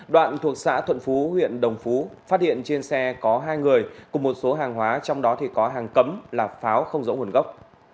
đoạn thuộc xã thuận phú huyện đồng phú phát hiện trên xe có hai người cùng một số hàng hóa trong đó có hàng cấm là pháo không rõ nguồn gốc